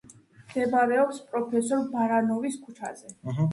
მდებარეობს პროფესორ ბარანოვის ქუჩაზე.